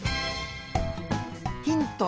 ヒント